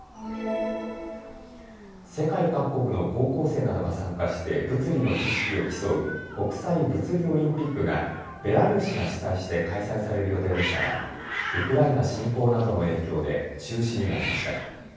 世界各国の高校生などが参加して物理の知識を競う国際物理オリンピックがベラルーシが主催して開催される予定でしたがウクライナ侵攻などの影響で中止になりました。